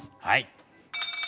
はい。